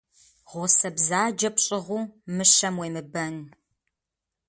Гъусэ бзаджэ пщӏыгъуу мыщэм уемыбэн.